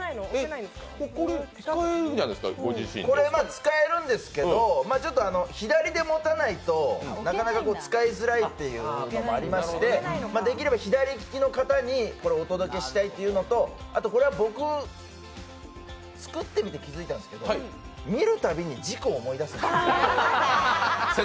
使えるんですけど左で持たないとなかなか使いづらいというのもありまして、できれば左利きの方にお届けしたいっていうのとあとこれは僕作ってみて気付いたんですけれども見るたびに事故を思い出す。